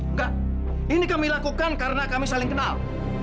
enggak ini kami lakukan karena kami saling kenal